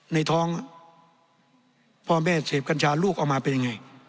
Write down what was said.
ในท้องพ่อแม่เสพกัญชาลูกเอามาเป็นยังไง